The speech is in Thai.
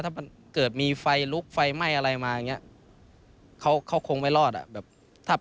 ถ้าเกิดมีไฟลุกไฟไหม้อะไรมาอย่างนี้เขาคงไม่รอดอ่ะ